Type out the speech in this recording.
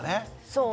そう。